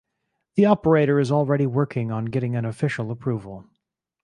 The operator is already working on getting an official approval.